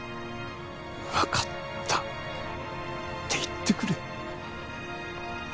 わかったって言ってくれ。